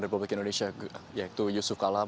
republik indonesia yaitu yusuf kalam